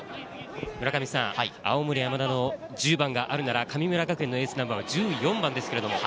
青森山田の１０番があるなら、神村学園のエースナンバーは１４番です。